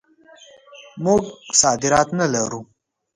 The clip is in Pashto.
موږ صادرات نه لرو.